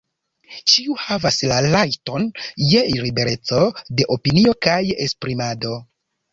Ĉiu havas la rajton je libereco de opinio kaj esprimado.